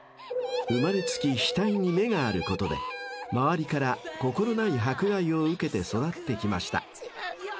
［生まれつき額に目があることで周りから心ない迫害を受けて育ってきました］